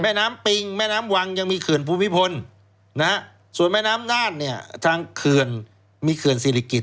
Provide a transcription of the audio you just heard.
แม่น้ำปิงแม่น้ำวังยังมีเขื่อนภูมิพลนะฮะส่วนแม่น้ำน่านเนี่ยทางเขื่อนมีเขื่อนศิริกิจ